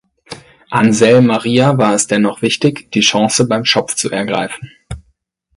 Anselm Maria war es dennoch wichtig, die Chance beim Schopf zu ergreifen.